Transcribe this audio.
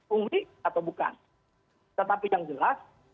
pungli atau bukan tetapi yang jelas